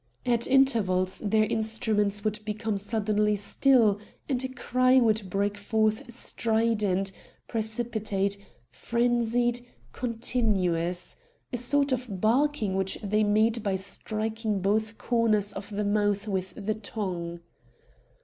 At intervals their instruments would become suddenly still, and a cry would break forth strident, precipitate, frenzied, continuous, a sort of barking which they made by striking both corners of the mouth with the tongue.